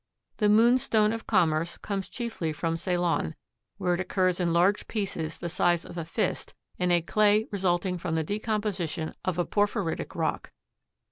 The moonstone of commerce comes chiefly from Ceylon, where it occurs in large pieces the size of a fist in a clay resulting from the decomposition of a porphyritic rock.